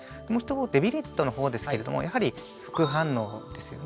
デメリットの方ですけれどもやはり副反応ですよね。